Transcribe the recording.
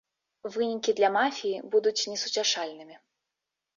Вынікі для мафіі будуць несуцяшальнымі.